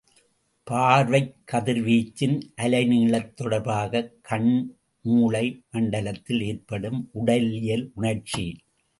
பார்வைக் கதிர்வீச்சின் அலை நீளத் தொடர்பாகக் கண் மூளை மண்டலத்தில் ஏற்படும் உடலியல் உணர்ச்சி.